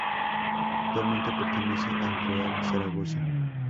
Actualmente pertenece al Real Zaragoza.